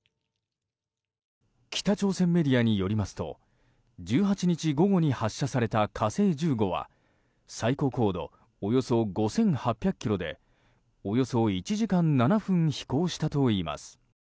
北朝鮮メディアによりますと１８日午後に発射された「火星１５」は最高高度およそ５８００ｋｍでおよそ１時間７分飛行したといいます。